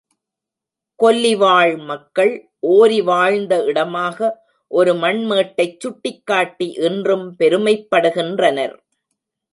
கொல்லிவாழ் மக்கள், ஓரி வாழ்ந்த இடமாக ஒரு மண்மேட்டைச் சுட்டிக் காட்டி இன்றும் பெருமைப்படுகின்றனர்.